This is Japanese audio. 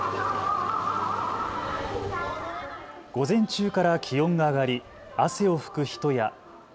午前中から気温が上がり汗を拭く人や。